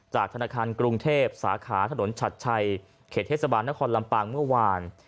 ธนาคารกรุงเทพสาขาถนนชัดชัยเขตเทศบาลนครลำปางเมื่อวาน